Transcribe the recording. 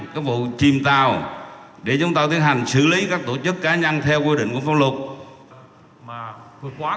cái vụ chìm tàu để chúng ta tiến hành xử lý các tổ chức cá nhân theo quy định của pháp luật mà